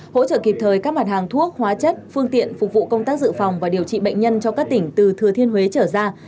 hỗ trợ kịp thời các mặt hàng thuốc hóa chất phương tiện phục vụ công tác dự phòng và điều trị bệnh nhân cho các tỉnh từ thừa thiên huế trở ra